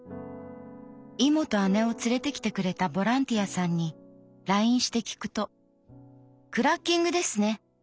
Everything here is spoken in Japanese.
イモとアネを連れてきてくれたボランティアさんにＬＩＮＥして聞くと『クラッキングですね。